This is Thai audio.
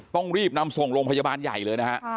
ต้องรีบนำส่งโรงพยาบาลใหญ่เลยนะฮะ